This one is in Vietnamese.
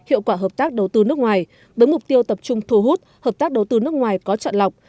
hiệu quả hợp tác đầu tư nước ngoài với mục tiêu tập trung thu hút hợp tác đầu tư nước ngoài có chọn lọc